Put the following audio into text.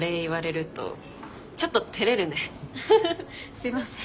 すいません。